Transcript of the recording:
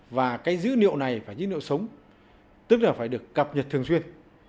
và cái dữ liệu này và dữ liệu sống tức là phải được cập nhật thường xuyên